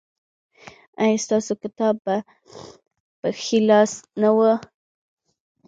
ایا ستاسو کتاب به په ښي لاس نه وي؟